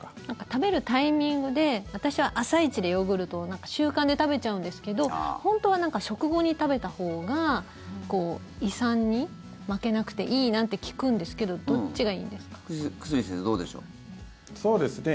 食べるタイミングで私は朝一でヨーグルトを習慣で食べちゃうんですけど本当は食後に食べたほうが胃酸に負けなくていいなんて聞くんですけど久住先生どうでしょう。